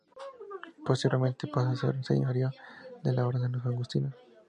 Posteriormente pasó a ser un señorío de la orden de los Agustinos.